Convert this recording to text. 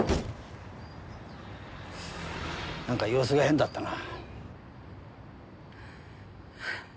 なんか様子が変だったな。